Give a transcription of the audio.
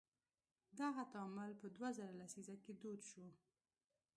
دغه تعامل په دوه زره لسیزه کې دود شو.